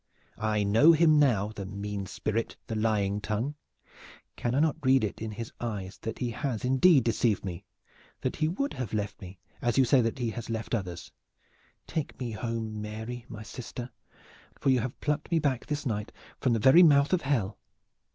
I know him now, the mean spirit, the lying tongue! Can I not read in his eyes that he has indeed deceived me, that he would have left me as you say that he has left others? Take me home, Mary, my sister, for you have plucked me back this night from the very mouth of Hell!"